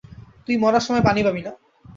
তুই মরার সময় পানি পাবি না!